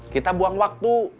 kita buang waktu